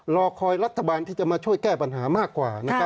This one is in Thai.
รอคอยรัฐบาลที่จะมาช่วยแก้ปัญหามากกว่า